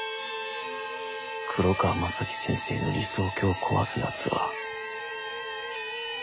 黒川政樹先生の理想郷を壊すやつは。